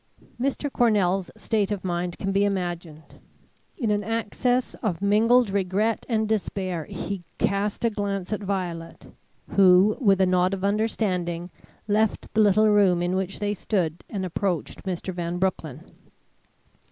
Mr. Cornell's state of mind can be imagined. In an access of mingled regret and despair, he cast a glance at Violet, who, with a nod of understanding, left the little room in which they still stood, and approached Mr. Van Broecklyn.